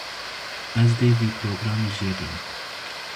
Ez dê vî programî jêbim.